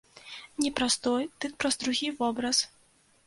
Не праз той, дык праз другі вобраз.